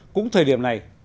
cũng thời điểm này